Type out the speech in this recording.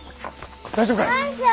大丈夫かい？